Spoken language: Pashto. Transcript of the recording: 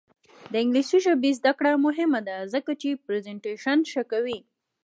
د انګلیسي ژبې زده کړه مهمه ده ځکه چې پریزنټیشن ښه کوي.